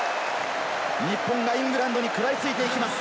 日本がイングランドに食らいついていきます。